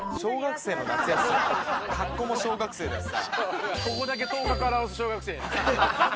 格好も小学生だしさ。